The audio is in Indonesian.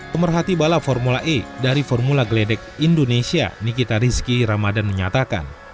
pemerhati balap formula e dari formula geledek indonesia nikita rizkyi ramadhan menyatakan